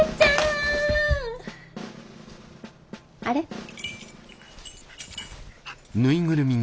あれ？